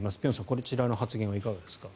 こちらの発言はいかがですか。